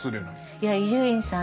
いや伊集院さん